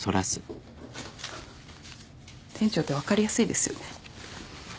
店長って分かりやすいですよね。